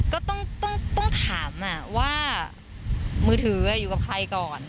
ก็ต้องถามว่ามือถืออยู่กับใครก่อน